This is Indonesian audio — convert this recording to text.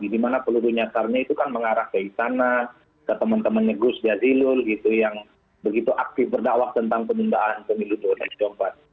di mana peluru nyasarnya itu kan mengarah ke isana ke teman teman negus jadilul gitu yang begitu aktif berdakwah tentang pembukaan pemilu tiongkok